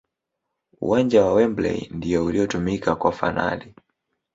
uwanja wa Wembley ndiyo uliotumika kwa fanali